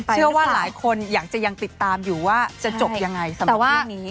เชื่อว่าหลายคนอยากจะยังติดตามอยู่ว่าจะจบยังไงสำหรับเรื่องนี้